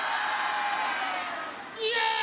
イエーイ！